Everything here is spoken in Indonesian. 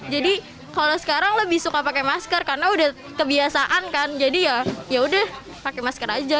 jadi kalau sekarang lebih suka pakai masker karena udah kebiasaan kan jadi ya ya udah pakai masker aja